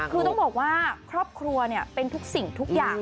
คือต้องบอกว่าครอบครัวเป็นทุกสิ่งทุกอย่าง